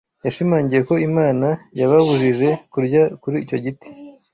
Yashimangiye ko Imana yababujije kurya kuri icyo giti